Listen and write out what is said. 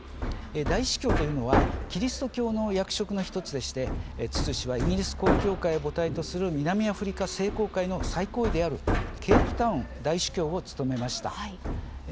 大主教というのはキリスト教の役職の１つでツツ氏はイギリス国教会を母体とする南アフリカ聖公会の最高位であるケープタウン大主教を務めました。